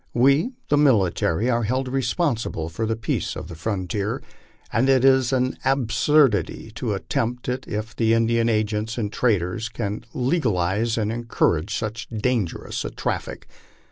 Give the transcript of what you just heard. We, the military, are held responsible for the peace of the frontier, and it is an absurdity to attempt it if Indian agents and traders can legalize and encourage so dangerous a traffic.